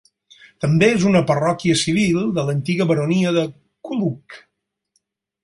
També és una parròquia civil de l'antiga baronia de Coolock.